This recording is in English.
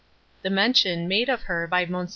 The mention, made of her by Mons.